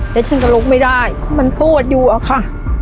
แต่ฉันก็ลุกไม่ได้มันปวดอยู่อะค่ะ